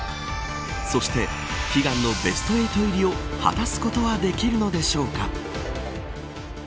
そして悲願のベスト８入りを果たすことはできるのでしょうか。